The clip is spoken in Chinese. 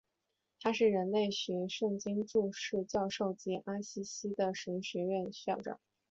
他是人类学圣经注释教授及阿西西的神学院院长。